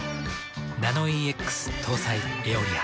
ナノイーＸ搭載「エオリア」。